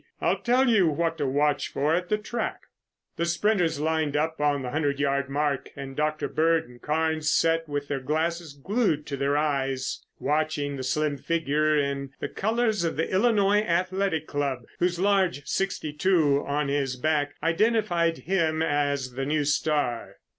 I'll tell you what to watch for at the track." The sprinters lined up on the hundred yard mark and Dr. Bird and Carnes sat with their glasses glued to their eyes watching the slim figure in the colors of the Illinois Athletic Club, whose large "62" on his back identified him as the new star.